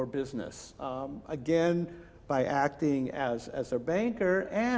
sekali lagi dengan beraktif sebagai bank mereka